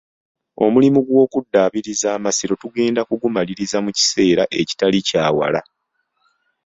Omulimu gw'okuddaabiriza amasiro tugenda kugumaliriza mu kiseera ekitali kya wala.